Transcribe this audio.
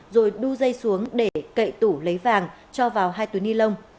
rồi đu dây xuống để cậy tủ lấy vàng cho vào hai túi ni lông